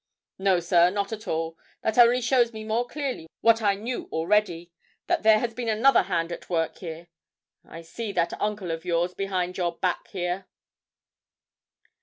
'No, sir, not at all. That only shows me more clearly what I knew already. That there has been another hand at work here. I see that uncle of yours behind your back here.'